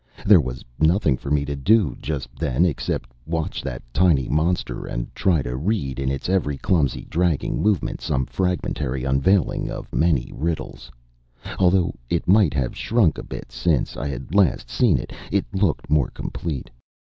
There was nothing for me to do just then except watch that tiny monster, and try to read, in its every clumsy, dragging movement, some fragmentary unveiling of many riddles. Although it might have shrunk a bit since I had last seen it, it looked more complete.